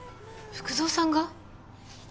福造さんが？